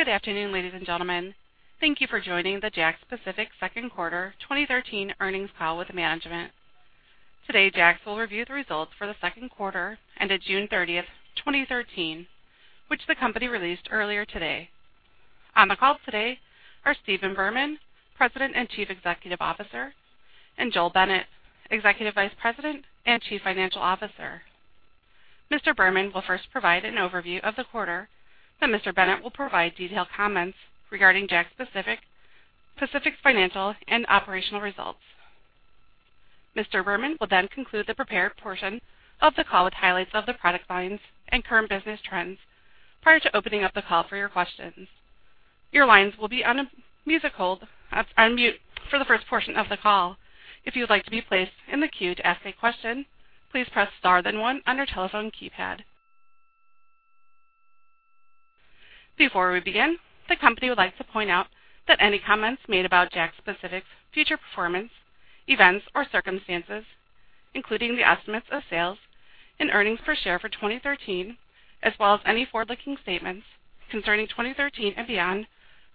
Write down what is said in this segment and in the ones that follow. Good afternoon, ladies and gentlemen. Thank you for joining the JAKKS Pacific second quarter 2013 earnings call with management. Today, JAKKS will review the results for the second quarter ended June 30, 2013, which the company released earlier today. On the call today are Stephen Berman, President and Chief Executive Officer, and Joel Bennett, Executive Vice President and Chief Financial Officer. Mr. Berman will first provide an overview of the quarter. Mr. Bennett will provide detailed comments regarding JAKKS Pacific's financial and operational results. Mr. Berman will conclude the prepared portion of the call with highlights of the product lines and current business trends, prior to opening up the call for your questions. Your lines will be on mute for the first portion of the call. If you would like to be placed in the queue to ask a question, please press star then one on your telephone keypad. Before we begin, the company would like to point out that any comments made about JAKKS Pacific's future performance, events, or circumstances, including the estimates of sales and earnings per share for 2013, as well as any forward-looking statements concerning 2013 and beyond,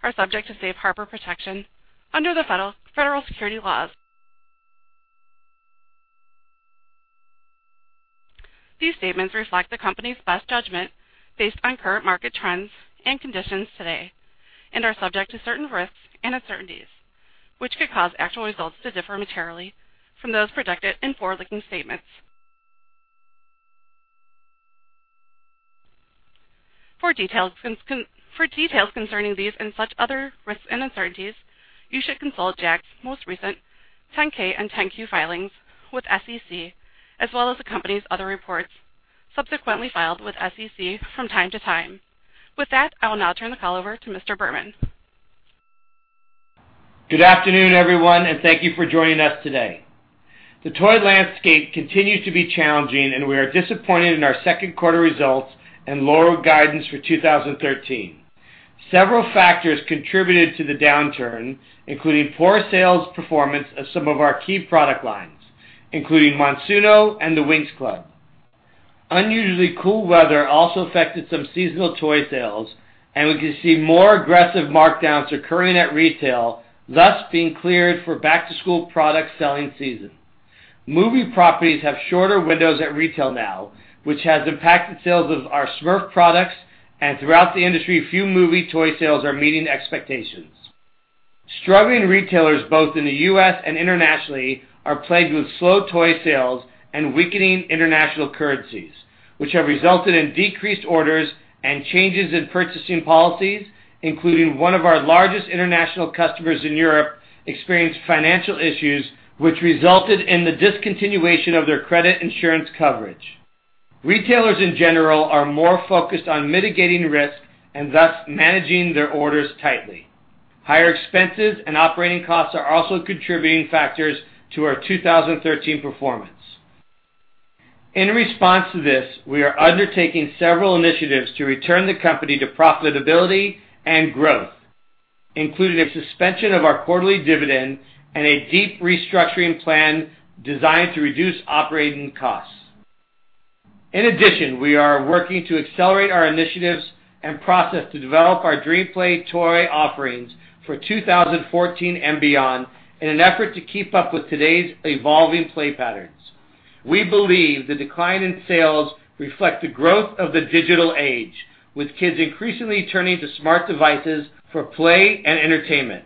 are subject to safe harbor protection under the federal securities laws. These statements reflect the company's best judgment based on current market trends and conditions today and are subject to certain risks and uncertainties which could cause actual results to differ materially from those projected in forward-looking statements. For details concerning these and such other risks and uncertainties, you should consult JAKKS' most recent 10K and 10Q filings with SEC, as well as the company's other reports subsequently filed with SEC from time to time. With that, I will now turn the call over to Mr. Berman. Good afternoon, everyone, and thank you for joining us today. The toy landscape continues to be challenging. We are disappointed in our second quarter results and lower guidance for 2013. Several factors contributed to the downturn, including poor sales performance of some of our key product lines, including Monsuno and the Winx Club. Unusually cool weather also affected some seasonal toy sales. We can see more aggressive markdowns occurring at retail, thus being cleared for back-to-school product selling season. Movie properties have shorter windows at retail now, which has impacted sales of our Smurf products. Throughout the industry, few movie toy sales are meeting expectations. Struggling retailers both in the U.S. and internationally are plagued with slow toy sales and weakening international currencies, which have resulted in decreased orders and changes in purchasing policies, including one of our largest international customers in Europe experienced financial issues which resulted in the discontinuation of their credit insurance coverage. Retailers in general are more focused on mitigating risk and thus managing their orders tightly. Higher expenses and operating costs are also contributing factors to our 2013 performance. In response to this, we are undertaking several initiatives to return the company to profitability and growth, including a suspension of our quarterly dividend and a deep restructuring plan designed to reduce operating costs. In addition, we are working to accelerate our initiatives and process to develop our DreamPlay toy offerings for 2014 and beyond in an effort to keep up with today's evolving play patterns. We believe the decline in sales reflect the growth of the digital age, with kids increasingly turning to smart devices for play and entertainment.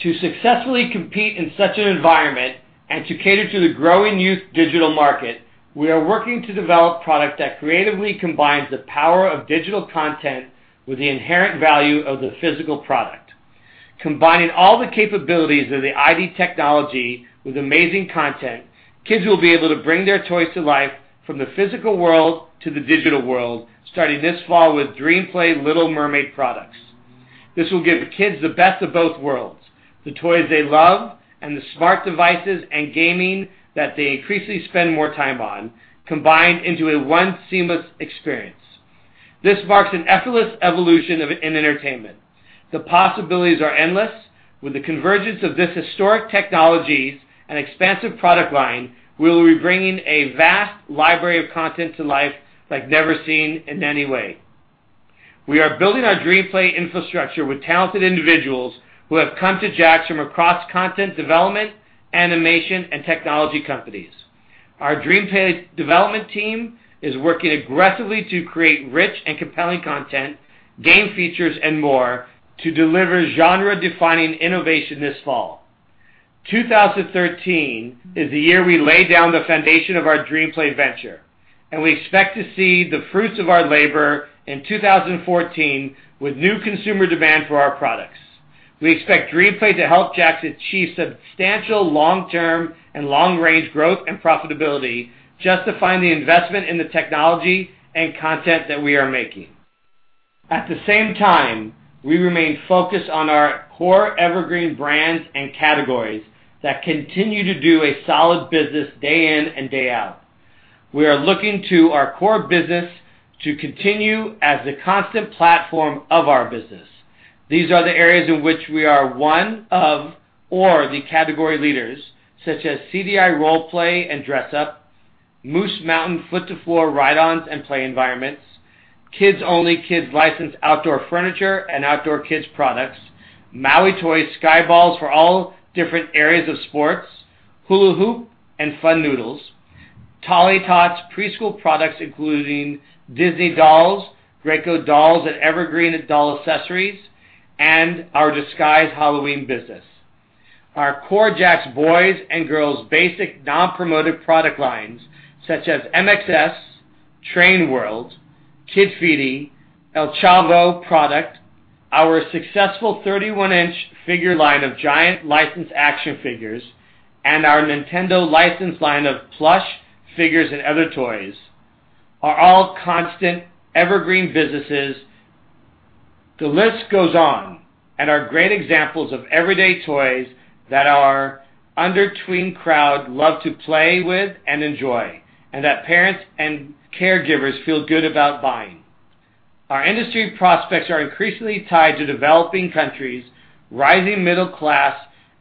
To successfully compete in such an environment and to cater to the growing youth digital market, we are working to develop product that creatively combines the power of digital content with the inherent value of the physical product. Combining all the capabilities of the iD technology with amazing content, kids will be able to bring their toys to life from the physical world to the digital world, starting this fall with DreamPlay The Little Mermaid products. This will give kids the best of both worlds, the toys they love, and the smart devices and gaming that they increasingly spend more time on, combined into a one seamless experience. This marks an effortless evolution in entertainment. The possibilities are endless. With the convergence of this historic technologies and expansive product line, we will be bringing a vast library of content to life like never seen in any way. We are building our DreamPlay infrastructure with talented individuals who have come to JAKKS from across content development, animation, and technology companies. Our DreamPlay development team is working aggressively to create rich and compelling content, game features and more to deliver genre-defining innovation this fall. 2013 is the year we lay down the foundation of our DreamPlay venture, and we expect to see the fruits of our labor in 2014 with new consumer demand for our products. We expect DreamPlay to help JAKKS achieve substantial long-term and long-range growth and profitability, justifying the investment in the technology and content that we are making. At the same time, we remain focused on our core evergreen brands and categories that continue to do a solid business day in and day out. We are looking to our core business to continue as the constant platform of our business. These are the areas in which we are one of or the category leaders, such as CDI role-play and dress-up, Moose Mountain foot to floor ride-ons and play environments, Kids Only! kids licensed outdoor furniture and outdoor kids products, Maui Toys Sky Balls for all different areas of sports, Hula Hoop and Fun Noodles, Tollytots preschool products including Disney dolls, El Greco dolls and evergreen doll accessories, and our Disguise Halloween business. Our core JAKKS boys and girls basic non-promoted product lines such as MXS, Train World, Kidfetti, El Chavo product, our successful 31-inch figure line of giant licensed action figures, and our Nintendo licensed line of plush figures and other toys are all constant evergreen businesses. The list goes on and are great examples of everyday toys that our under tween crowd love to play with and enjoy, and that parents and caregivers feel good about buying. Our industry prospects are increasingly tied to developing countries, rising middle class,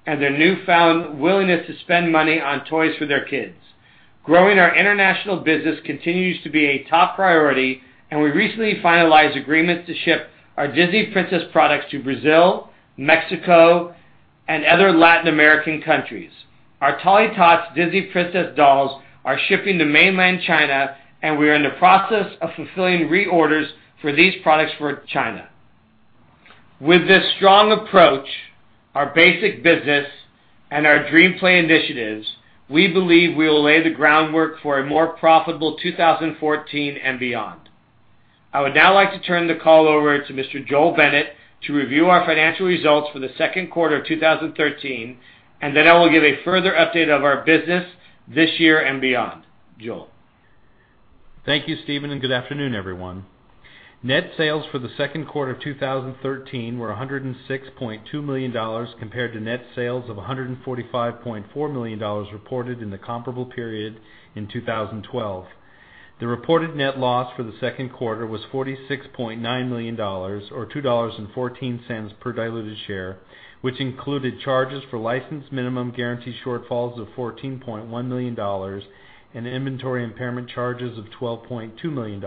and their newfound willingness to spend money on toys for their kids. Growing our international business continues to be a top priority, and we recently finalized agreements to ship our Disney Princess products to Brazil, Mexico, and other Latin American countries. Our Tollytots Disney Princess dolls are shipping to mainland China. We are in the process of fulfilling reorders for these products for China. With this strong approach, our basic business and our DreamPlay initiatives, we believe we will lay the groundwork for a more profitable 2014 and beyond. I would now like to turn the call over to Mr. Joel Bennett to review our financial results for the second quarter of 2013. Then I will give a further update of our business this year and beyond. Joel. Thank you, Stephen. Good afternoon, everyone. Net sales for the second quarter of 2013 were $106.2 million compared to net sales of $145.4 million reported in the comparable period in 2012. The reported net loss for the second quarter was $46.9 million, or $2.14 per diluted share, which included charges for license minimum guarantee shortfalls of $14.1 million and inventory impairment charges of $12.2 million.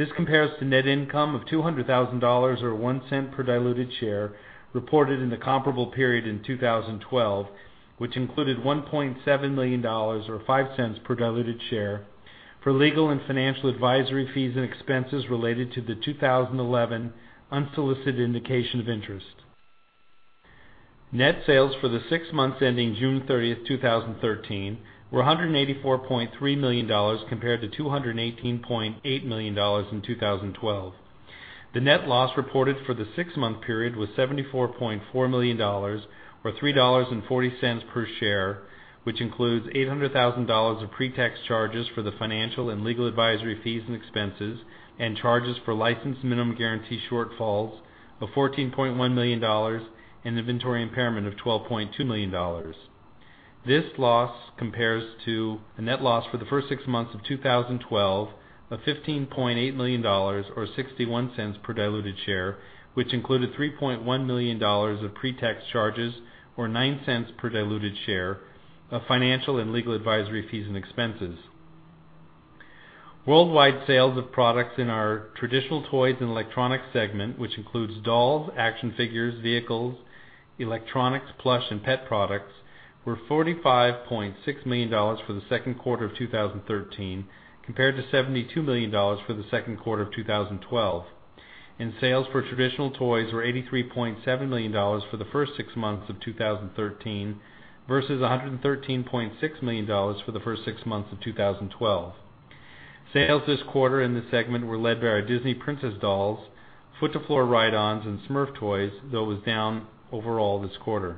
This compares to net income of $200,000, or $0.01 per diluted share, reported in the comparable period in 2012, which included $1.7 million or $0.05 per diluted share for legal and financial advisory fees and expenses related to the 2011 unsolicited indication of interest. Net sales for the six months ending June 30th, 2013 were $184.3 million compared to $218.8 million in 2012. The net loss reported for the six-month period was $74.4 million or $3.40 per share, which includes $800,000 of pre-tax charges for the financial and legal advisory fees and expenses and charges for license minimum guarantee shortfalls of $14.1 million and inventory impairment of $12.2 million. This loss compares to a net loss for the first six months of 2012 of $15.8 million or $0.61 per diluted share, which included $3.1 million of pre-tax charges or $0.09 per diluted share of financial and legal advisory fees and expenses. Worldwide sales of products in our traditional toys and electronics segment, which includes dolls, action figures, vehicles, electronics, plush, and pet products, were $45.6 million for the second quarter of 2013 compared to $72 million for the second quarter of 2012. Sales for traditional toys were $83.7 million for the first six months of 2013 versus $113.6 million for the first six months of 2012. Sales this quarter in this segment were led by our Disney Princess dolls, foot to floor ride-ons, and Smurf toys, though it was down overall this quarter.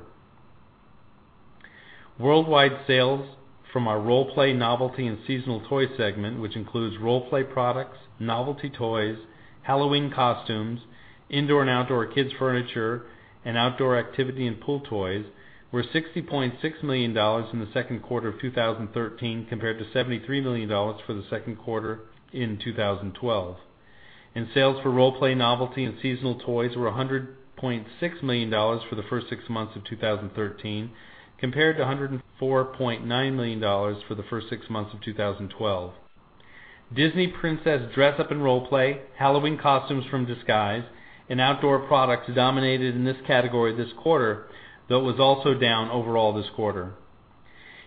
Worldwide sales from our role-play, novelty, and seasonal toy segment, which includes role-play products, novelty toys, Halloween costumes, indoor and outdoor kids furniture, and outdoor activity and pool toys, were $60.6 million in the second quarter of 2013 compared to $73 million for the second quarter in 2012. Sales for role-play, novelty, and seasonal toys were $100.6 million for the first six months of 2013 compared to $104.9 million for the first six months of 2012. Disney Princess dress up and role play, Halloween costumes from Disguise and outdoor products dominated in this category this quarter, though it was also down overall this quarter.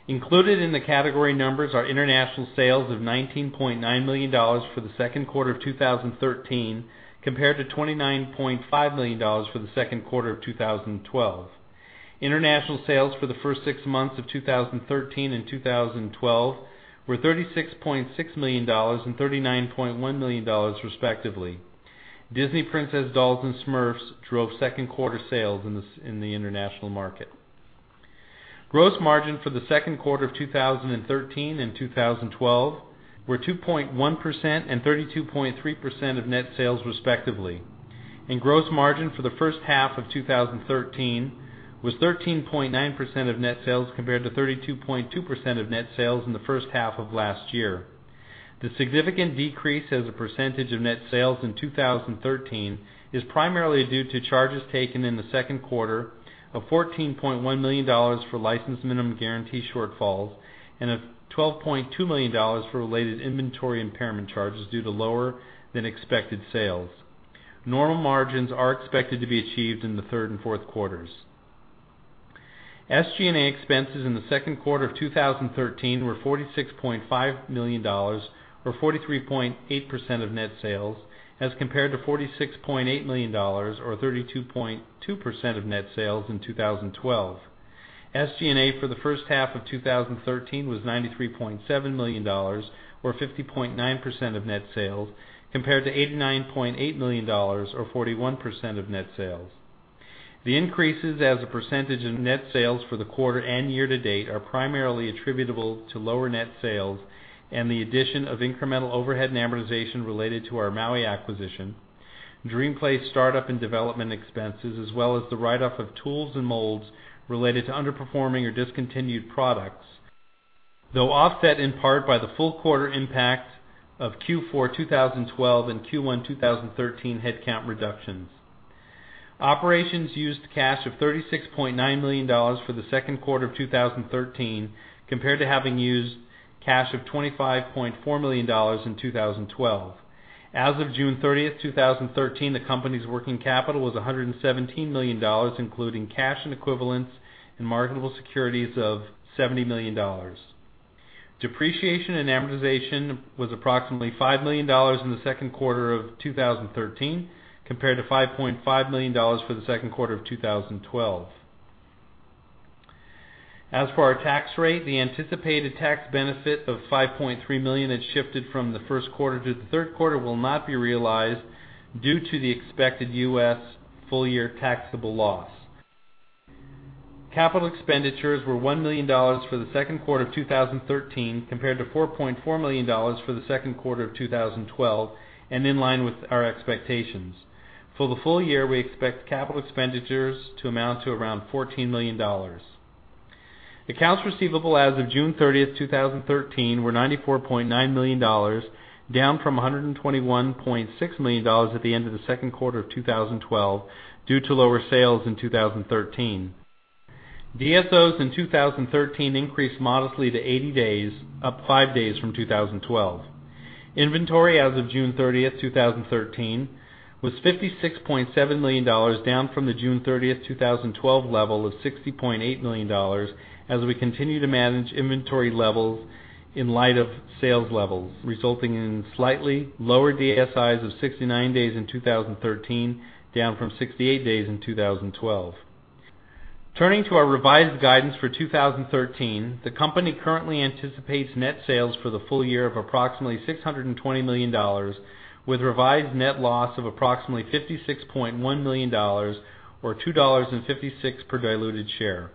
Included in the category numbers are international sales of $19.9 million for the second quarter of 2013 compared to $29.5 million for the second quarter of 2012. International sales for the first six months of 2013 and 2012 were $36.6 million and $39.1 million respectively. Disney Princess dolls and Smurfs drove second quarter sales in the international market. Gross margin for the second quarter of 2013 and 2012 were 2.1% and 32.3% of net sales respectively. Gross margin for the first half of 2013 was 13.9% of net sales, compared to 32.2% of net sales in the first half of last year. The significant decrease as a percentage of net sales in 2013 is primarily due to charges taken in the second quarter of $14.1 million for license minimum guarantee shortfalls and a $12.2 million for related inventory impairment charges due to lower than expected sales. Normal margins are expected to be achieved in the third and fourth quarters. SG&A expenses in the second quarter of 2013 were $46.5 million, or 43.8% of net sales, as compared to $46.8 million, or 32.2% of net sales in 2012. SG&A for the first half of 2013 was $93.7 million, or 50.9% of net sales, compared to $89.8 million or 41% of net sales. The increases as a percentage of net sales for the quarter and year to date are primarily attributable to lower net sales and the addition of incremental overhead and amortization related to our Maui acquisition, DreamPlay's startup and development expenses, as well as the write-off of tools and molds related to underperforming or discontinued products. Offset in part by the full quarter impact of Q4 2012 and Q1 2013 headcount reductions. Operations used cash of $36.9 million for the second quarter of 2013, compared to having used cash of $25.4 million in 2012. As of June 30th, 2013, the company's working capital was $117 million, including cash equivalents and marketable securities of $70 million. Depreciation and amortization was approximately $5 million in the second quarter of 2013, compared to $5.5 million for the second quarter of 2012. As for our tax rate, the anticipated tax benefit of $5.3 million that shifted from the first quarter to the third quarter will not be realized due to the expected US full-year taxable loss. Capital expenditures were $1 million for the second quarter of 2013, compared to $4.4 million for the second quarter of 2012 and in line with our expectations. For the full year, we expect capital expenditures to amount to around $14 million. Accounts receivable as of June 30th, 2013, were $94.9 million, down from $121.6 million at the end of the second quarter of 2012 due to lower sales in 2013. DSOs in 2013 increased modestly to 80 days, up five days from 2012. Inventory as of June 30th, 2013, was $56.7 million, down from the June 30th, 2012, level of $60.8 million as we continue to manage inventory levels in light of sales levels, resulting in slightly lower DSIs of 69 days in 2013, down from 68 days in 2012. Turning to our revised guidance for 2013, the company currently anticipates net sales for the full year of approximately $620 million, with revised net loss of approximately $56.1 million, or $2.56 per diluted share.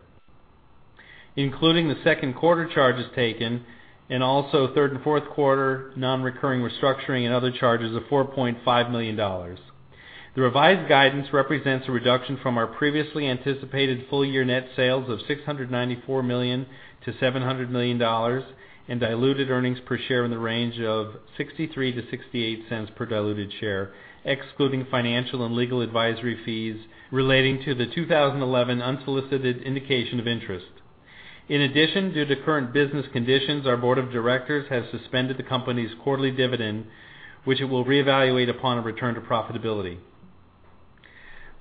Including the second quarter charges taken and also third and fourth quarter non-recurring restructuring and other charges of $4.5 million. The revised guidance represents a reduction from our previously anticipated full year net sales of $694 million to $700 million and diluted earnings per share in the range of $0.63 to $0.68 per diluted share, excluding financial and legal advisory fees relating to the 2011 unsolicited indication of interest. In addition, due to current business conditions, our board of directors has suspended the company's quarterly dividend, which it will reevaluate upon a return to profitability.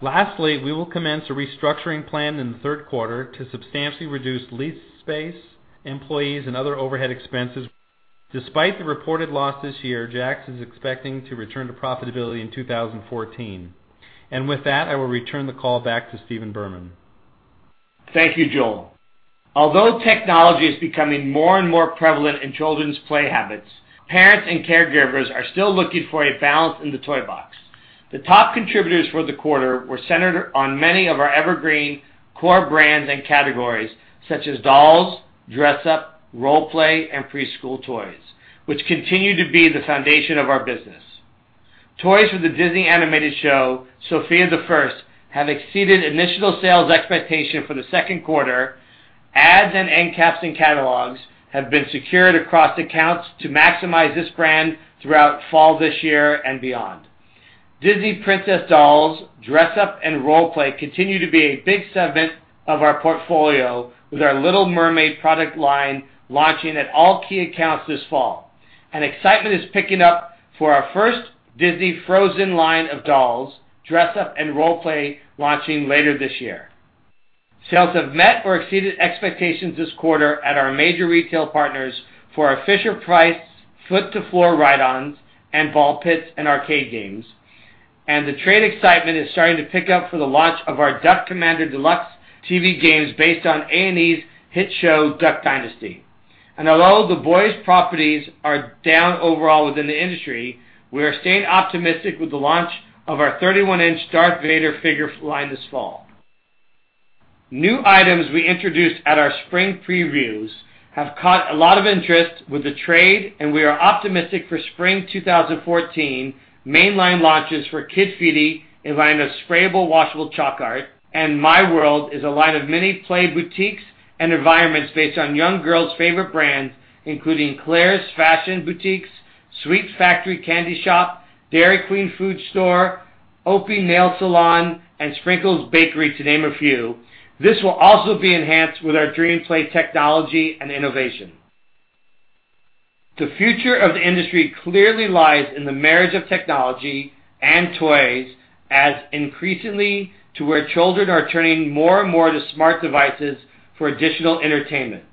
Lastly, we will commence a restructuring plan in the third quarter to substantially reduce lease space, employees, and other overhead expenses. Despite the reported loss this year, JAKKS is expecting to return to profitability in 2014. With that, I will return the call back to Stephen Berman. Thank you, Joel. Although technology is becoming more and more prevalent in children's play habits, parents and caregivers are still looking for a balance in the toy box. The top contributors for the quarter were centered on many of our evergreen core brands and categories, such as dolls, dress up, role play, and preschool toys, which continue to be the foundation of our business. Toys for the Disney animated show, "Sofia the First," have exceeded initial sales expectation for the second quarter, ads and end caps and catalogs have been secured across accounts to maximize this brand throughout fall this year and beyond. Disney Princess dolls, dress up, and role play continue to be a big segment of our portfolio with our Little Mermaid product line launching at all key accounts this fall. Excitement is picking up for our first Disney Frozen line of dolls, dress up, and role play launching later this year. Sales have met or exceeded expectations this quarter at our major retail partners for our Fisher-Price foot to floor ride-ons and ball pits and arcade games. The trade excitement is starting to pick up for the launch of our Duck Commander Deluxe TV games based on A&E's hit show, "Duck Dynasty." Although the boys' properties are down overall within the industry, we are staying optimistic with the launch of our 31-inch Darth Vader figure line this fall. New items we introduced at our spring previews have caught a lot of interest with the trade, and we are optimistic for spring 2014 mainline launches for KidFeti, a line of sprayable, washable chalk art, and miWorld is a line of mini play boutiques and environments based on young girls' favorite brands, including Claire's fashion boutiques, Sweet Factory Candy Shop, Dairy Queen food store, OPI Nail Salon, and Sprinkles Bakery, to name a few. This will also be enhanced with our DreamPlay technology and innovation. The future of the industry clearly lies in the marriage of technology and toys as increasingly to where children are turning more and more to smart devices for additional entertainment.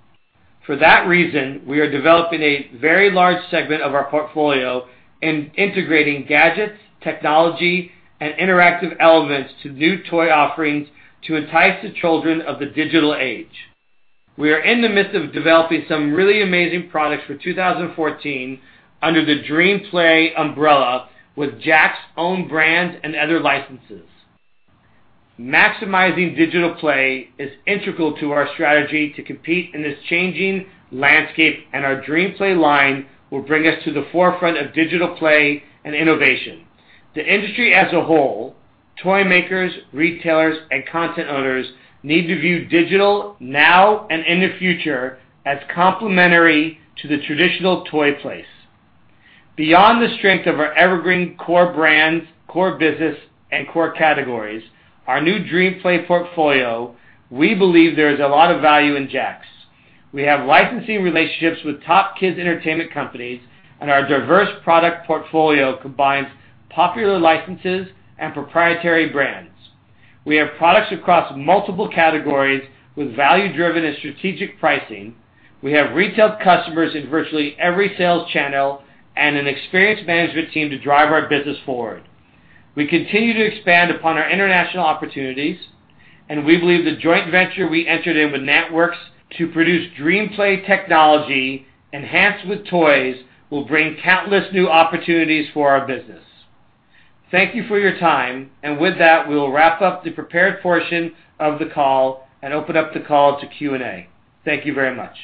For that reason, we are developing a very large segment of our portfolio in integrating gadgets, technology, and interactive elements to new toy offerings to entice the children of the digital age. We are in the midst of developing some really amazing products for 2014 under the DreamPlay umbrella with JAKKS' own brands and other licenses. Maximizing digital play is integral to our strategy to compete in this changing landscape, and our DreamPlay line will bring us to the forefront of digital play and innovation. The industry as a whole, toymakers, retailers, and content owners need to view digital now and in the future as complementary to the traditional toy place. Beyond the strength of our evergreen core brands, core business, and core categories, our new DreamPlay portfolio, we believe there is a lot of value in JAKKS. We have licensing relationships with top kids' entertainment companies, and our diverse product portfolio combines popular licenses and proprietary brands. We have products across multiple categories with value-driven and strategic pricing. We have retail customers in virtually every sales channel and an experienced management team to drive our business forward. We continue to expand upon our international opportunities, and we believe the joint venture we entered in with NantWorks to produce DreamPlay technology enhanced with toys will bring countless new opportunities for our business. Thank you for your time. With that, we will wrap up the prepared portion of the call and open up the call to Q&A. Thank you very much.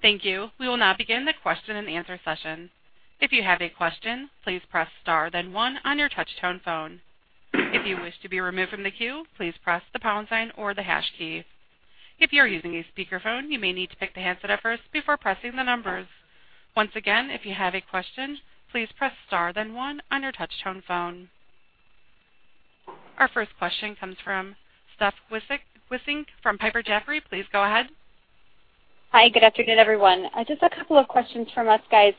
Thank you. We will now begin the question and answer session. If you have a question, please press star then one on your touch-tone phone. If you wish to be removed from the queue, please press the pound sign or the hash key. If you are using a speakerphone, you may need to pick the handset up first before pressing the numbers. Once again, if you have a question, please press star then one on your touch-tone phone. Our first question comes from Stephanie Wissink from Piper Jaffray. Please go ahead. Hi. Good afternoon, everyone. Just a couple of questions from us, guys.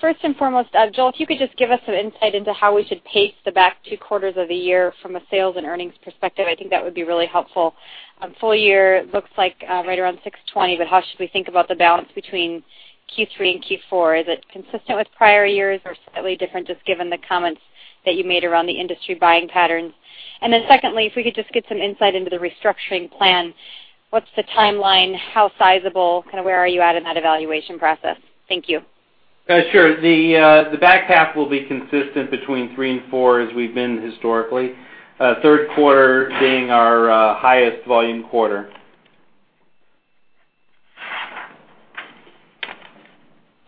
First and foremost, Joel, if you could just give us some insight into how we should pace the back two quarters of the year from a sales and earnings perspective, I think that would be really helpful. Full year looks like right around $620, but how should we think about the balance between Q3 and Q4? Is it consistent with prior years or slightly different, just given the comments that you made around the industry buying patterns? Secondly, if we could just get some insight into the restructuring plan. What's the timeline? How sizable? Where are you at in that evaluation process? Thank you. Sure. The back half will be consistent between three and four as we've been historically. Third quarter being our highest volume quarter.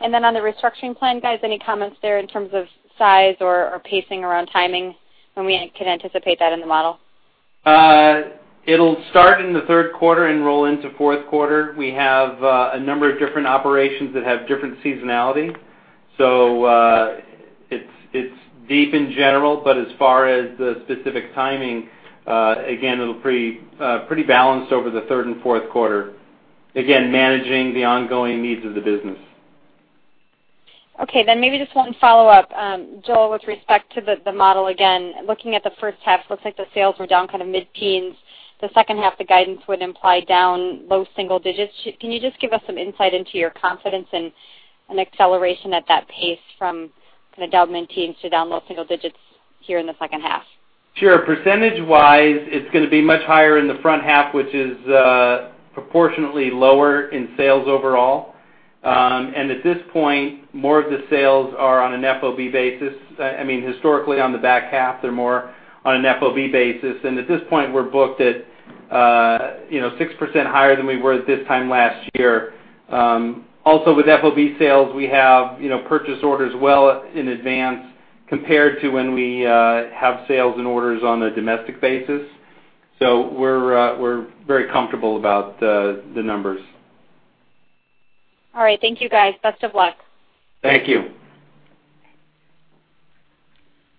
Then on the restructuring plan, guys, any comments there in terms of size or pacing around timing when we can anticipate that in the model? It'll start in the third quarter and roll into fourth quarter. We have a number of different operations that have different seasonality, so it's deep in general, but as far as the specific timing, again, it'll pretty balanced over the third and fourth quarter. Again, managing the ongoing needs of the business. Okay, maybe just one follow-up. Joel, with respect to the model again, looking at the first half, looks like the sales were down kind of mid-teens. The second half, the guidance would imply down low single digits. Can you just give us some insight into your confidence and an acceleration at that pace from kind of down mid-teens to down low single digits here in the second half? Sure. Percentage-wise, it's going to be much higher in the front half, which is proportionately lower in sales overall. At this point, more of the sales are on an FOB basis. Historically, on the back half, they're more on an FOB basis, and at this point, we're booked at 6% higher than we were at this time last year. Also, with FOB sales, we have purchase orders well in advance compared to when we have sales and orders on a domestic basis. We're very comfortable about the numbers. All right. Thank you, guys. Best of luck. Thank you.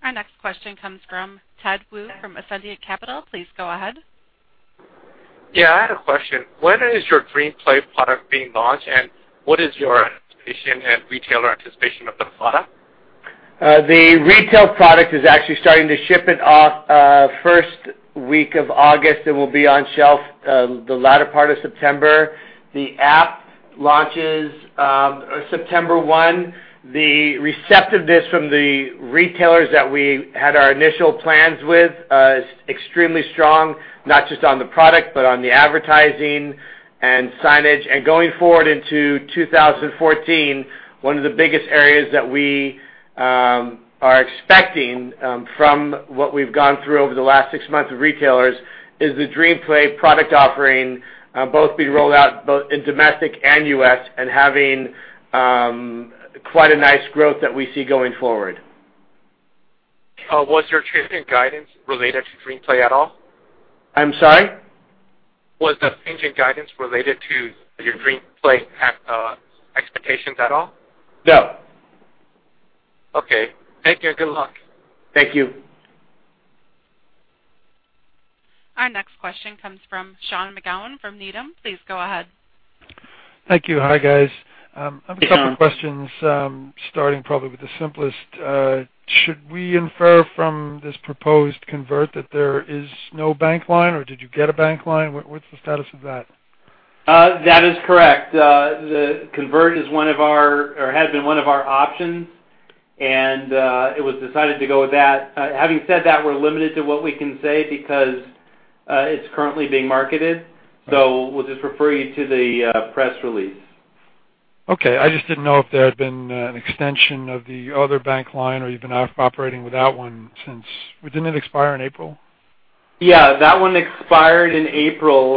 Our next question comes from Ed Woo from Ascendiant Capital. Please go ahead. Yeah, I had a question. When is your DreamPlay product being launched, and what is your anticipation and retailer anticipation of the product? The retail product is actually starting to ship it off first week of August. It will be on shelf the latter part of September. The app launches September 1. The receptiveness from the retailers that we had our initial plans with is extremely strong, not just on the product, but on the advertising and signage. Going forward into 2014, one of the biggest areas that we are expecting from what we've gone through over the last six months with retailers is the DreamPlay product offering both being rolled out both in domestic and U.S. and having quite a nice growth that we see going forward. Was your change in guidance related to DreamPlay at all? I'm sorry? Was the change in guidance related to your DreamPlay expectations at all? No. Okay. Thank you, and good luck. Thank you. Our next question comes from Sean McGowan from Needham. Please go ahead. Thank you. Hi, guys. Sean. I have a couple questions, starting probably with the simplest. Should we infer from this proposed convert that there is no bank line, or did you get a bank line? What's the status of that? That is correct. The convert has been one of our options, and it was decided to go with that. Having said that, we're limited to what we can say because, it's currently being marketed. We'll just refer you to the press release. Okay. I just didn't know if there had been an extension of the other bank line or you've been operating without one since Didn't it expire in April? Yeah. That one expired in April,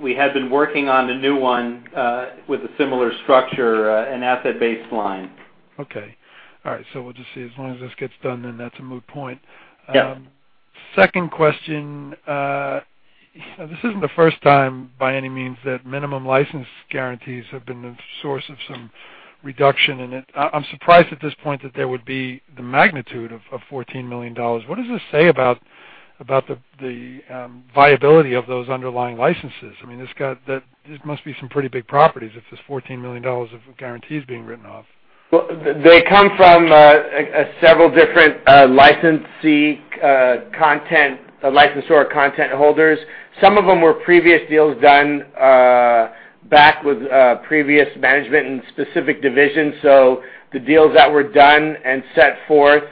we had been working on the new one, with a similar structure, an asset-based line. Okay. All right. We'll just see. As long as this gets done, that's a moot point. Yeah. Second question. This isn't the first time by any means that minimum license guarantees have been the source of some reduction in it. I'm surprised at this point that there would be the magnitude of $14 million. What does this say about the viability of those underlying licenses? I mean, these must be some pretty big properties if there's $14 million of guarantees being written off. Well, they come from several different licensee content, licensor content holders. Some of them were previous deals done back with previous management and specific divisions. The deals that were done and set forth,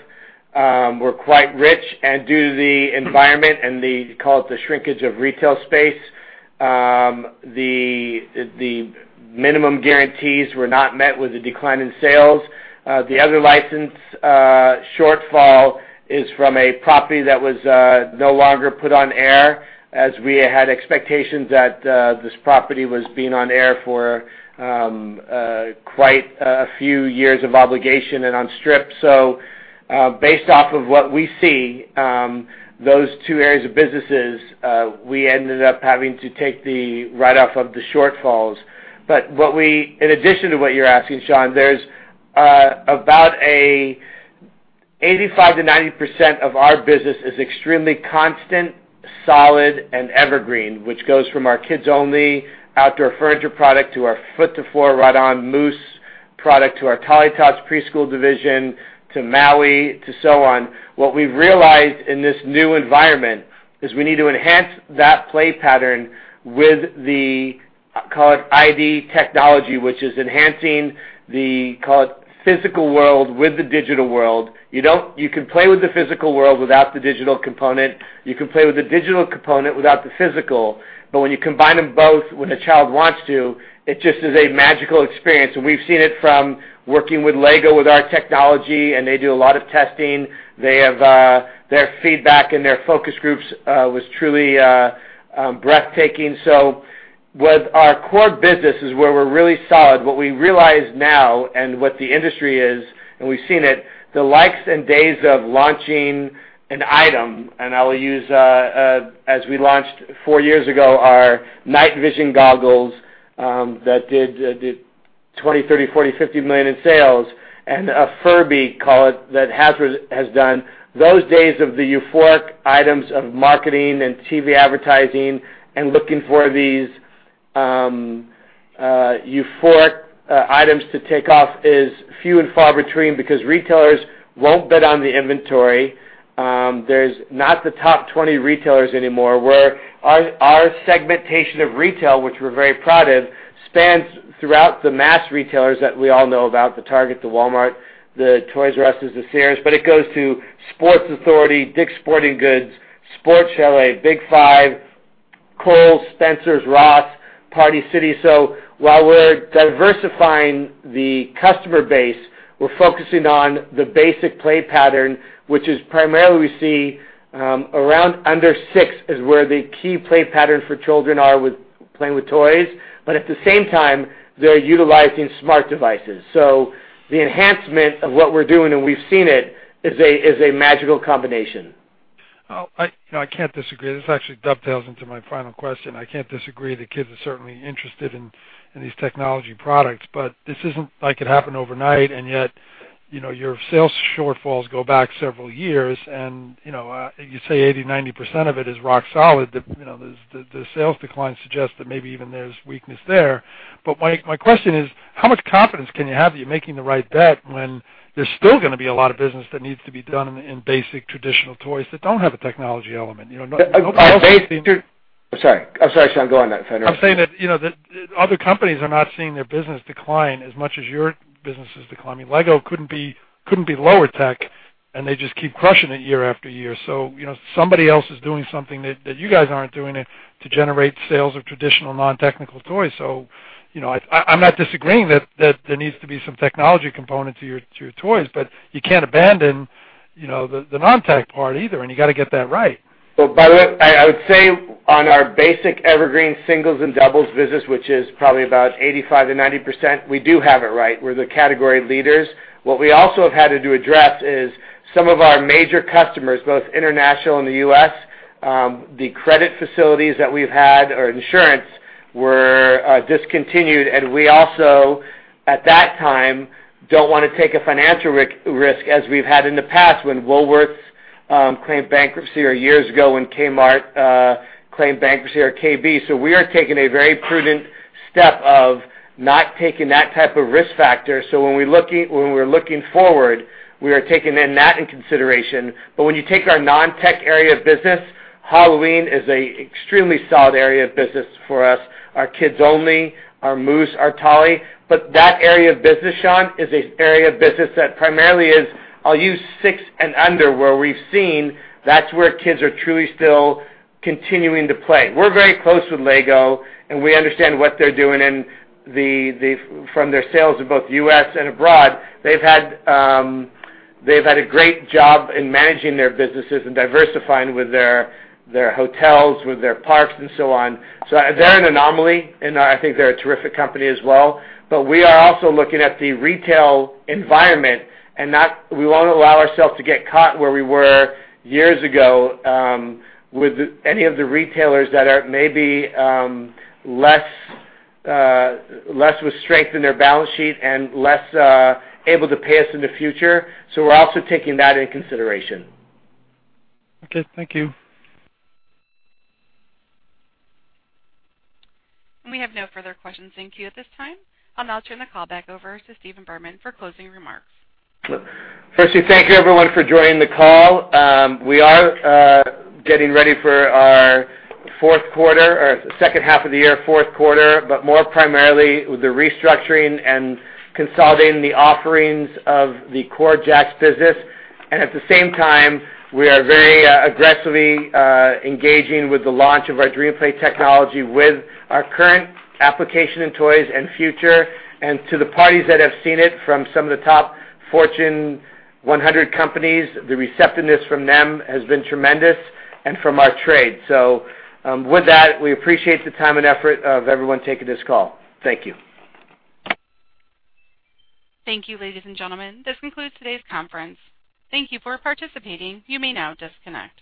were quite rich. Due to the environment and the, call it the shrinkage of retail space, the minimum guarantees were not met with a decline in sales. The other license shortfall is from a property that was no longer put on air, as we had expectations that this property was being on air for quite a few years of obligation and on strip. Based off of what we see, those two areas of businesses, we ended up having to take the write-off of the shortfalls. In addition to what you're asking, Sean, about 85%-90% of our business is extremely constant, solid, and evergreen, which goes from our Kids Only! outdoor furniture product to our foot to floor ride-on Moose product, to our Tollytots preschool division, to Maui, to so on. What we've realized in this new environment is we need to enhance that play pattern with the, call it iD technology, which is enhancing the, call it physical world with the digital world. You can play with the physical world without the digital component. You can play with the digital component without the physical, but when you combine them both, when a child wants to, it just is a magical experience. We've seen it from working with Lego, with our technology, and they do a lot of testing. Their feedback and their focus groups was truly breathtaking. With our core business is where we're really solid. What we realize now and what the industry is, we've seen it, the likes and days of launching an item, I will use, as we launched four years ago, our night vision goggles, that did $20 million, $30 million, $40 million, $50 million in sales. A Furby, call it, that Hasbro has done. Those days of the euphoric items of marketing and TV advertising and looking for these euphoric items to take off is few and far between because retailers won't bet on the inventory. There's not the top 20 retailers anymore, where our segmentation of retail, which we're very proud of, spans throughout the mass retailers that we all know about, the Target, the Walmart, the Toys R Us, the Sears, it goes to Sports Authority, Dick's Sporting Goods, Sport Chalet, Big 5, Kohl's, Spencer's, Ross, Party City. While we're diversifying the customer base, we're focusing on the basic play pattern, which is primarily we see, around under six is where the key play patterns for children are with playing with toys. At the same time, they're utilizing smart devices. The enhancement of what we're doing, and we've seen it, is a magical combination. I can't disagree. This actually dovetails into my final question. I can't disagree that kids are certainly interested in these technology products, but this isn't like it happened overnight, and yet your sales shortfalls go back several years and you say 80%, 90% of it is rock solid. The sales decline suggests that maybe even there's weakness there. My question is, how much confidence can you have that you're making the right bet when there's still going to be a lot of business that needs to be done in basic traditional toys that don't have a technology element? I'm sorry, Sean, go on. I'm saying that other companies are not seeing their business decline as much as your business is declining. Lego couldn't be lower tech, and they just keep crushing it year after year. Somebody else is doing something that you guys aren't doing to generate sales of traditional non-technical toys. I'm not disagreeing that there needs to be some technology component to your toys, but you can't abandon the non-tech part either, and you got to get that right. By the way, I would say on our basic evergreen singles and doubles business, which is probably about 85%-90%, we do have it right. We're the category leaders. What we also have had to address is some of our major customers, both international and the U.S., the credit facilities that we've had or insurance were discontinued, and we also, at that time, don't want to take a financial risk as we've had in the past when Woolworths claimed bankruptcy, or years ago when Kmart claimed bankruptcy, or KB. We are taking a very prudent step of not taking that type of risk factor. When we're looking forward, we are taking in that in consideration. When you take our non-tech area of business, Halloween is an extremely solid area of business for us. Our Kids Only, our Moose, our Tolly. That area of business, Sean, is an area of business that primarily is, I'll use six and under, where we've seen that's where kids are truly still continuing to play. We're very close with Lego, and we understand what they're doing. From their sales in both U.S. and abroad, they've had a great job in managing their businesses and diversifying with their hotels, with their parks and so on. They're an anomaly, and I think they're a terrific company as well. We are also looking at the retail environment, and we won't allow ourselves to get caught where we were years ago with any of the retailers that are maybe less with strength in their balance sheet and less able to pay us in the future. We're also taking that in consideration. Okay, thank you. We have no further questions in queue at this time. I'll now turn the call back over to Stephen Berman for closing remarks. Firstly, thank you everyone for joining the call. We are getting ready for our second half of the year, fourth quarter, more primarily with the restructuring and consolidating the offerings of the core JAKKS business. At the same time, we are very aggressively engaging with the launch of our DreamPlay technology with our current application in toys and future. To the parties that have seen it from some of the top Fortune 100 companies, the receptiveness from them has been tremendous, and from our trade. With that, we appreciate the time and effort of everyone taking this call. Thank you. Thank you, ladies and gentlemen. This concludes today's conference. Thank you for participating. You may now disconnect.